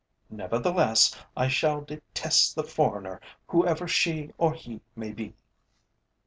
Nevertheless, I shall detest the foreigner whoever she or he may be."